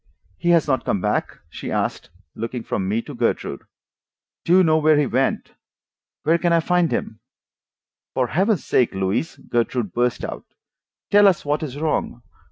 "He has not come back?" she asked, looking from me to Gertrude. "Do you know where he went? Where can I find him?" "For Heaven's sake, Louise," Gertrude burst out, "tell us what is wrong.